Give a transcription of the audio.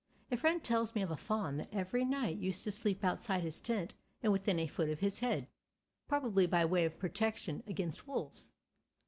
A friend tells me of a fawn that every night used to sleep outside his tent and within a foot of his head, probably by way of protection against wolves.